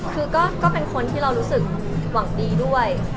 คือก็เป็นคนที่เรารู้สึกหวังดีด้วย